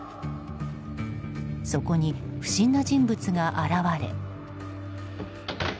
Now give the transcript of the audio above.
そこに不審な人物が現れ。